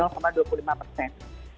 kalau di bawah ambang batas